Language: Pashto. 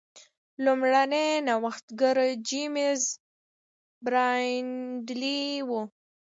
لومړنی نوښتګر جېمز برینډلي و.